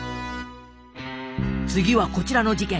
次はこちらの事件。